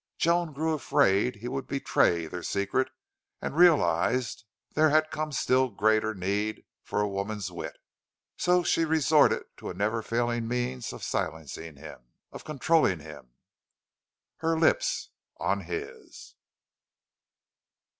Joan grew afraid he would betray their secret and realized there had come still greater need for a woman's wit. So she resorted to a never failing means of silencing him, of controlling him her lips on his.